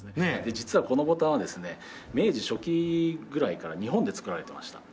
実はこのボタンはですね明治初期ぐらいから日本で作られてました。